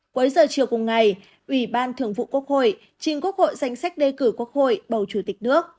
cuối giờ chiều cùng ngày ủy ban thường vụ quốc hội trình quốc hội danh sách đề cử quốc hội bầu chủ tịch nước